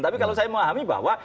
tapi kalau saya memahami bahwa